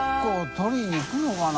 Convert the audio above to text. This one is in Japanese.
觜採りに行くのかな？